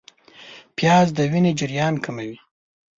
پیاز د وینې چربیات کموي